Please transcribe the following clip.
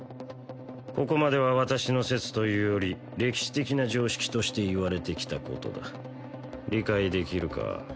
ここまでは私の説というより歴史的な常識としていわれてきたことだ理解できるか？